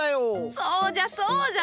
そうじゃそうじゃ。